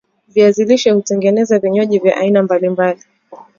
viazi lishe hutengeneza vinywaji vya aina mbalimbali